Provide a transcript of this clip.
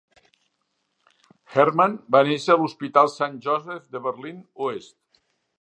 Hermann va néixer a l'hospital Saint Joseph de Berlín Oest.